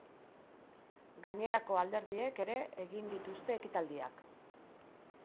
Gainerako alderdiek ere egin dituzte ekitaldiak.